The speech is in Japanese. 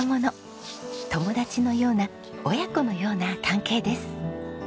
友達のような親子のような関係です。